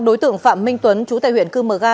đối tượng phạm minh tuấn chú tại huyện cư mờ ga